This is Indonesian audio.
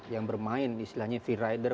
yang bermain istilahnya free rider